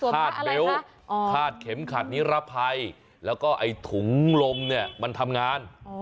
คาดเบลต์คาดเข็มขัดนิรภัยแล้วก็ไอ้ถุงลมเนี่ยมันทำงาน